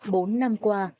bốn năm qua